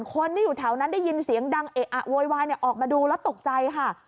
คนที่อยู่แถวนั้นได้ยินเสียงดังเอะอะโวยวายออกมาดูแล้วตกใจค่ะ